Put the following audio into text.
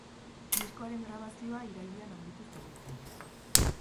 Diskoaren grabazioa irailean amaitu zenuten.